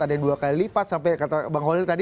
ada yang dua kali lipat sampai kata bang holil tadi